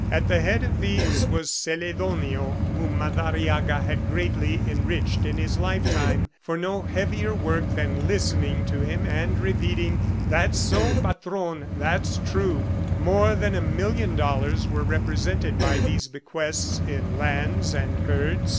At the head of these was Celedonio whom Madariaga had greatly enriched in his lifetime for no heavier work than listening to him and repeating, "That's so, Patron, that's true!" More than a million dollars were represented by these bequests in lands and herds.